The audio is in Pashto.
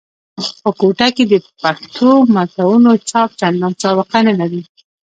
په کوټه کښي د پښتو متونو چاپ چندان سابقه نه لري.